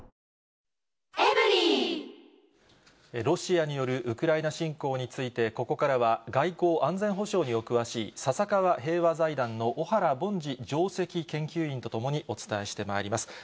ロシアによるウクライナ侵攻について、ここからは、外交・安全保障にお詳しい、笹川平和財団の小原凡司上席研究員と共にお伝えしてまいります。